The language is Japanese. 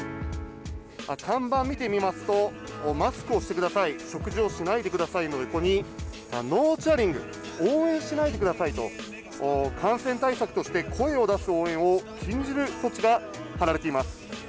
看板見てみますと、マスクをしてください、食事をしないでくださいの横に、ノーチアリング・応援しないでくださいと、感染対策として、声を出す応援を禁じる措置が貼られています。